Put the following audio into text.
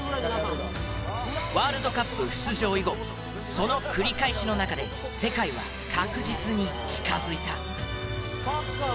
ワールドカップ出場以後その繰り返しの中で世界は確実に近づいた。